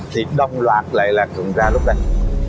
thì đông loạt lại là tụng ra lúc này